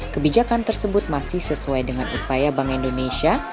kebijakan tersebut masih sesuai dengan upaya bank indonesia